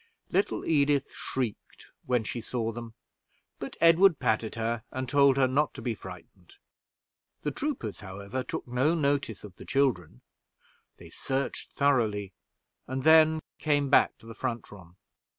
Little Edith shrieked when she saw them; but Edward patted her, and told her not to be frightened. The troopers, however, took no notice of the children; they searched thoroughly, and then came back to the front room.